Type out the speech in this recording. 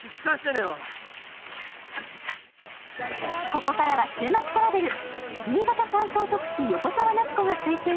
ここからは週末トラベル。